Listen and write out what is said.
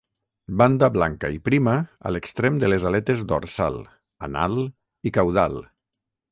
Banda blanca i prima a l'extrem de les aletes dorsal, anal i caudal.